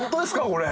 これ。